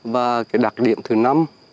và cái đặc điểm thứ năm